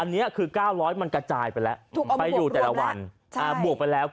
อันนี้คือ๙๐๐มันกระจายไปแล้วไปอยู่แต่ละวันบวกไปแล้ว